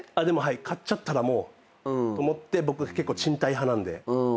買っちゃったらもうと思って僕結構賃貸派なんで。